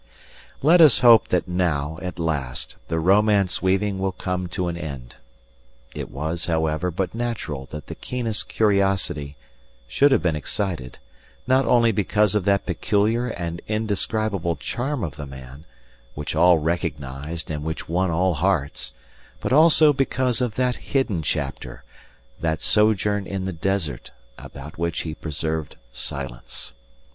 Let us hope that now, at last, the romance weaving will come to an end. It was, however, but natural that the keenest curiosity should have been excited; not only because of that peculiar and indescribable charm of the man, which all recognized and which won all hearts, but also because of that hidden chapter that sojourn in the desert, about which he preserved silence.